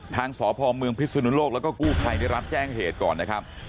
ทางสพเมืองพิศนุโลกแล้วก็กู้ภัยได้รับแจ้งเหตุก่อนนะครับ